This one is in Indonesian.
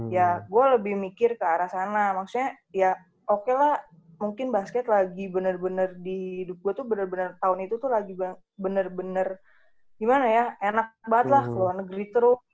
ya gue lebih mikir ke arah sana maksudnya ya oke lah mungkin basket lagi bener bener di hidup gue tuh bener bener tahun itu tuh lagi bener bener gimana ya enak banget lah ke luar negeri terus